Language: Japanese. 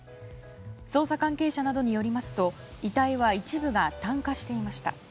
捜査関係者などによりますと遺体は一部が炭化していました。